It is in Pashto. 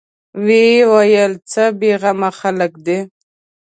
ويې ويل: څه بېغمه خلک دي.